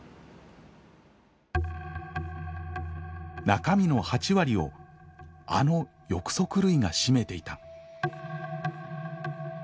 中身の８割をあの翼足類が占めていた。